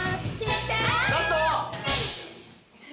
ラスト！